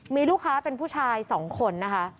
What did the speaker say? มีลูกค้าเป็นผู้ชาย๒คนนะคะ